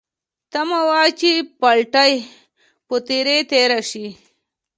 تمه وه چې پټلۍ به ترې تېره شي.